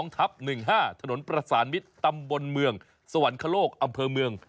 ถนนประสานวิทย์ตำบลเมืองสวรรคโลกอำเภอเมือง